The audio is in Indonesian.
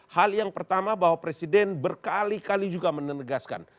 hal yang pertama bahwa presiden berkali kali juga menegaskan